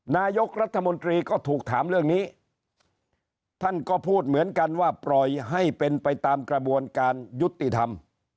นายกรัฐมนตรีก็ถูกถามเรื่องนี้ท่านก็พูดเหมือนกันว่าปล่อยให้เป็นไปตามกระบวนการยุติธรรม